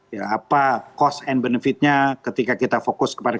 ya apa cost and benefitnya ketika kita fokus kepada